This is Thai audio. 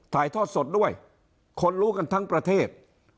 ถ่ายทอดสดด้วยคนรู้กันทั้งประเทศ